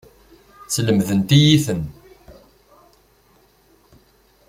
Slemdent-iyi-ten.